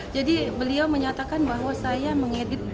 jadi beliau menyatakan bahwa saya mengedit